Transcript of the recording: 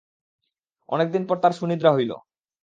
অনেক দিন পর তাঁর সুনিদ্রা হল।